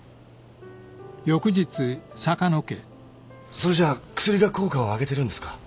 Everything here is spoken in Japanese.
☎それじゃ薬が効果を上げてるんですか？